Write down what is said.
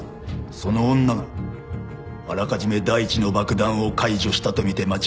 その女があらかじめ第１の爆弾を解除したとみて間違いない。